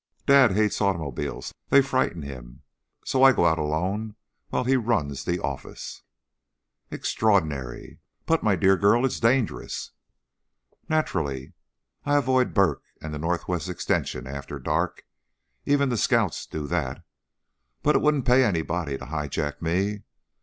"Dad hates automobiles; they frighten him. So I go out alone while he runs the office." "Extraordinary! But, my dear girl, it's dangerous." "Naturally, I avoid 'Burk' and the Northwest Extension after dark even the scouts do that. But it wouldn't pay anybody to high jack me.